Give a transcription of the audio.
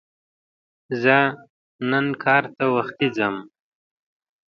زه نن کار ته وختي ځم